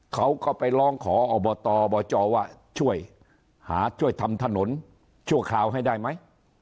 เขาก็ไปร้องขออบตอบจว่าช่วยหาช่วยทำถนนชั่วคราวให้ได้ไหม